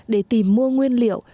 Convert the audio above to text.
để tìm mua nguyên liệu